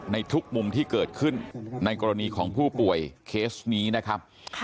ในทุกมุมที่เกิดขึ้นในกรณีของผู้ป่วยเคสนี้นะครับ